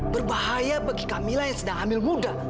berbahaya bagi kamila yang sedang hamil muda